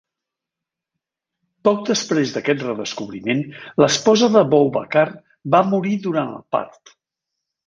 Poc després d'aquest "redescobriment", l'esposa de Boubacar va morir durant el part.